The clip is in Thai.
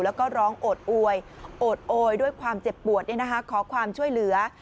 แล้วก็ร้องโอดอวยโอดโอยด้วยความเจ็บปวดขอความช่วยเหลือ